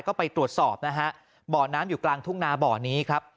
ก็ไปตรวจสอบนะฮะบ่อน้ำอยู่กลางทุ่งนาบ่อนี้ครับ